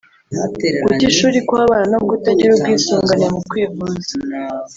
guta ishuri kw’abana no kutagira ubwisungane mu kwivuza